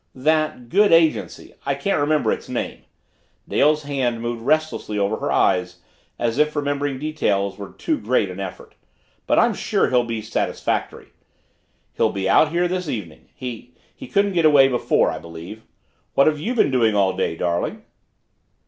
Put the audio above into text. "That good agency, I can't remember its name." Dale's hand moved restlessly over her eyes, as if remembering details were too great an effort. "But I'm sure he'll be satisfactory. He'll be out here this evening he he couldn't get away before, I believe. What have you been doing all day, darling?"